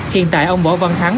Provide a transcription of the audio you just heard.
hiện tại ông bỏ văn thắng